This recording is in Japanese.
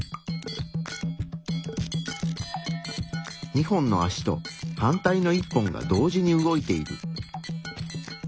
２本の足と反対の１本が同時に動いている。